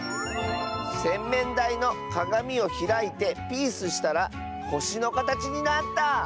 「せんめんだいのかがみをひらいてピースしたらほしのかたちになった！」。